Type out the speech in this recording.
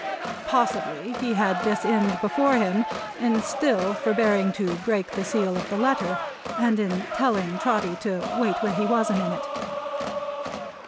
Possibly he had this end before him in still forbearing to break the seal of the letter, and in telling Trotty to wait where he was a minute.